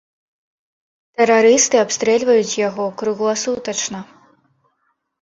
Тэрарысты абстрэльваюць яго кругласутачна.